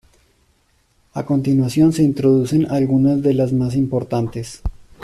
A continuación se introducen algunas de las más importantes.